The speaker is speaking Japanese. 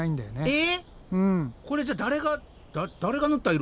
え？